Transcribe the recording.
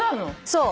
そう。